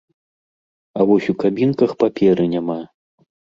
А вось у кабінках паперы няма!